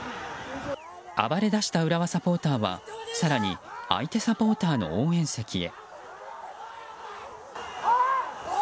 暴れ出した浦和サポーターは更に相手サポーターの応援席へ。